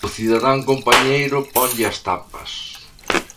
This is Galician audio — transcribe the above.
O cidadán compañeiro ponlle as tapas.